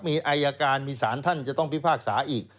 มีอายการมีสารท่านจะต้องพิพากษาอีก